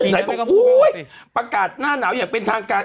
ไหนบอกอุ๊ยประกาศหน้าหนาวอย่างเป็นทางการ